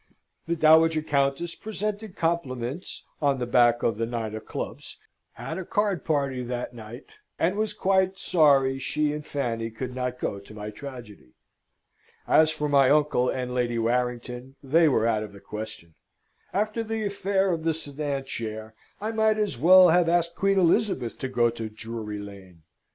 The Dowager Countess presented compliments (on the back of the nine of clubs), had a card party that night, and was quite sorry she and Fanny could not go to my tragedy. As for my uncle and Lady Warrington, they were out of the question. After the affair of the sedan chair I might as well have asked Queen Elizabeth to go to Drury Lane.